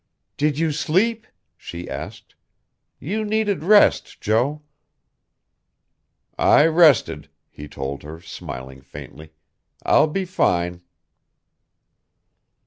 "Did you sleep?" she asked. "You needed rest, Joe." "I rested," he told her, smiling faintly. "I'll be fine...."